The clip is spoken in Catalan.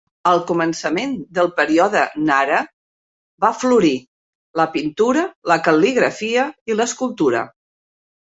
Al començament del període Nara va florir la pintura, la cal·ligrafia i l'escultura.